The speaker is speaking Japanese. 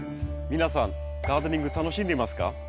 皆さんガーデニング楽しんでいますか？